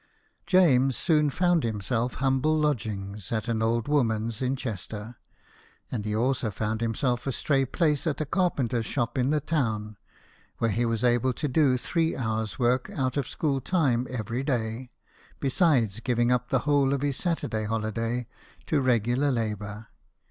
James soon found himself humble lodgings at an old woman's in Chester, and he also found himself a stray place at a carpenter's shop in the tov/n, where he was able to do three hours' work out: of school time every day, besides giving up the whole of his Saturday holiday to regular labour.